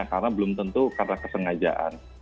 karena belum tentu karena kesengajaan